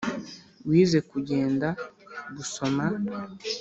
wize kugenda, gusoma